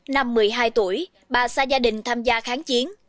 năm một mươi hai tuổi bà xa gia đình tham gia kháng chiến